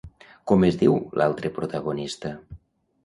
Com es diu l'altre protagonista?